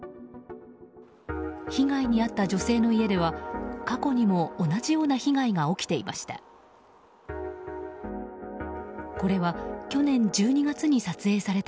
被害に遭った女性の家では過去にも同じような被害が起きていました。